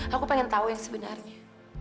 aku pengen tahu yang sebenarnya